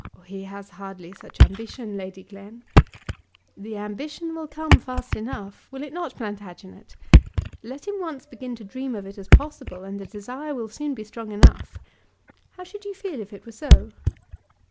"He has hardly such ambition, Lady Glen." "The ambition will come fast enough; will it not, Plantagenet? Let him once begin to dream of it as possible, and the desire will soon be strong enough. How should you feel if it were so?"